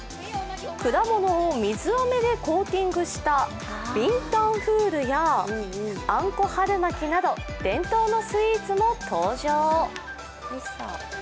果物を水あめでコーティングしたビンタンフールやあんこ春巻きなど伝統のスイーツも登場。